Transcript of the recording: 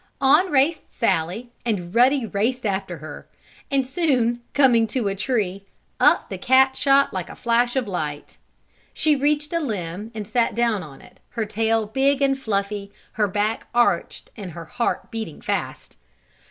On raced Sallie and Ruddy raced after her, and soon, coming to a tree, up the cat shot like a flash of light. She reached a limb and sat down on it, her tail big and fluffy, her back arched and her heart beating fast.